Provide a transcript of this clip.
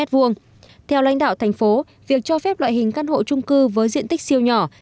theo lãnh đạo thành phố việc cho phép loại hình căn hộ trung cư với diện tích siêu nhỏ